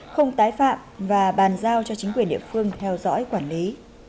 không tái phạm và bàn giao cho chính quyền địa phương theo dõi quản lý